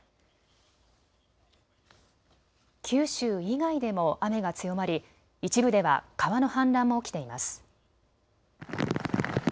九州以外でも雨が強まり一部では川の氾濫も起きています。